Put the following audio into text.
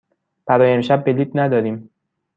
برای امشب بلیط نداریم.